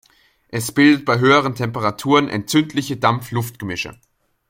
Es bildet bei höheren Temperaturen entzündliche Dampf-Luft-Gemische.